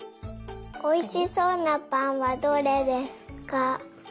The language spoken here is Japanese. おいしそうなぱんはどれですか？